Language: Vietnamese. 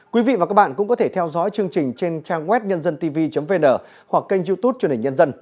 quý vị và các bạn cũng có thể theo dõi chương trình trên trang web nhân dân tivi vn hoặc kênh youtube truyền hình nhân dân